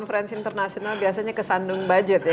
konference internasional biasanya kesandung budget ya